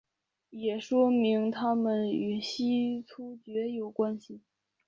也说明他们与西突厥有关系。